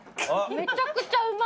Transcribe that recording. めちゃくちゃうまい。